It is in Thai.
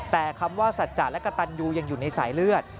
แต่คำว่าสัจจะและกระตันยูยังอยู่ในสายเลือด